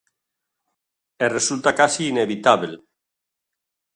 E resulta case inevitábel.